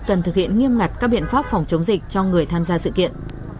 cần thực hiện nghiêm ngặt các biện pháp phòng chống dịch cho người tham gia sự kiện